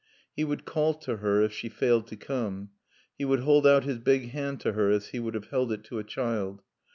He would call to her if she failed to come. He would hold out his big hand to her as he would have held it to a child.